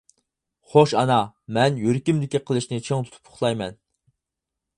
— خوش ئانا، مەن يۈرىكىمدىكى قىلىچنى چىڭ تۇتۇپ ئۇخلايمەن.